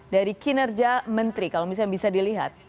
dari kinerja menteri kalau misalnya bisa dilihat